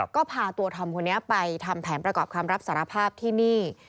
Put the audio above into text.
ก็พาตัวธอมคนนี้ไปทำแผนประกอบคำรับสารภาพที่นี่